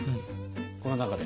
この中で。